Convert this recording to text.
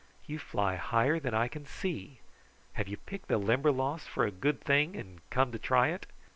You fly higher than I can see. Have you picked the Limberlost for a good thing and come to try it?